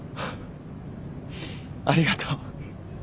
フッありがとう。